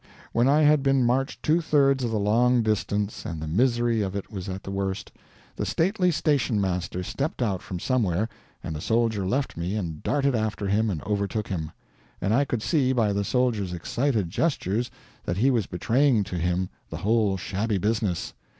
When I had been marched two thirds of the long distance and the misery of it was at the worst, the stately station master stepped out from somewhere, and the soldier left me and darted after him and overtook him; and I could see by the soldier's excited gestures that he was betraying to him the whole shabby business.